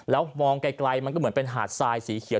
แล้วมองไกลมันก็เหมือนเป็นหาดทรายสีเขียว